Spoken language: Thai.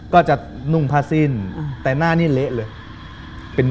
ก็จะนุ่งผ้าสิ้นแต่หน้านี้เละเลย